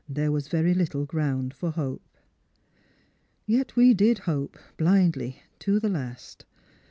Tliere was very little ground for hope. Yet we did hope — blindly — to the last.